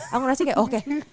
aku ngerasa kayak oke